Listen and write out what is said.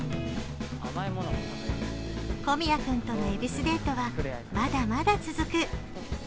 小宮君との恵比寿デートは、まだまだ続く。